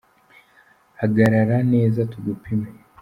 Hagarara neza tugupime.